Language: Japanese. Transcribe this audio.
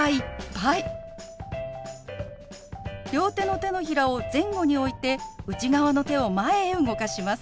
両手の手のひらを前後に置いて内側の手を前へ動かします。